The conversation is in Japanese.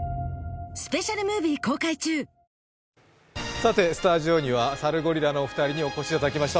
さてスタジオにはサルゴリラのお二人にお越しいただきました。